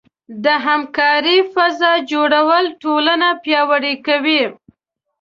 د همکارۍ فضاء جوړول ټولنه پیاوړې کوي.